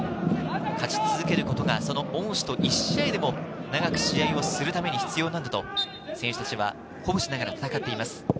勝ち続けることが、その恩師と１試合でも長く試合をするために必要なんだと選手たちは鼓舞しながら戦っています。